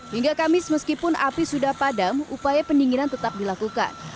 hingga kamis meskipun api sudah padam upaya pendinginan tetap dilakukan